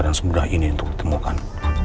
dan semudah ini untuk ditemukan